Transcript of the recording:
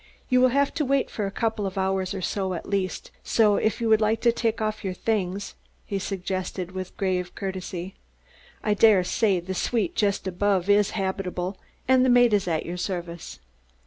"You will have to wait for a couple of hours or so, at least, so if you would like to take off your things?" he suggested with grave courtesy. "I dare say the suite just above is habitable, and the maid is at your service."